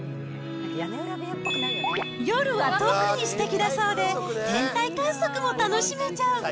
夜は特にすてきだそうで、天体観測も楽しめちゃう。